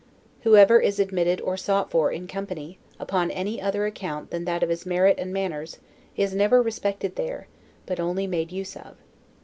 Whoever is admitted or sought for, in company, upon any other account than that of his merit and manners, is never respected there, but only made use of.